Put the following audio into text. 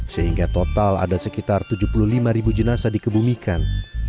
sehingga total ada sekitar tujuh puluh lima ribu jenasa dikebumikan